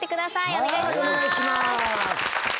お願いします。